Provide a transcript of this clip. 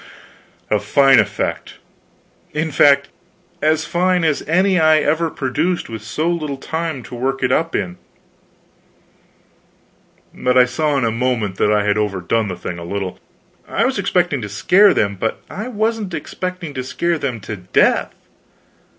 A fine effect. In fact, as fine as any I ever produced, with so little time to work it up in. But I saw in a moment that I had overdone the thing a little. I was expecting to scare them, but I wasn't expecting to scare them to death.